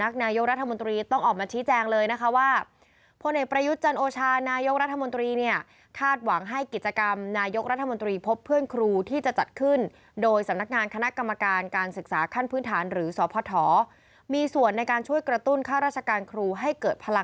ของครูในยุคใหม่